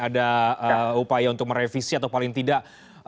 ada upaya untuk merevisi atau paling tidak